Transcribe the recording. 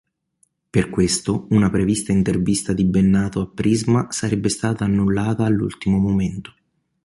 Per questo, una prevista intervista di Bennato a Prisma sarebbe stata annullata all'ultimo momento.